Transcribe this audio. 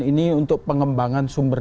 ini untuk pengembangan sumber